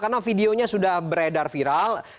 karena videonya sudah beredar viral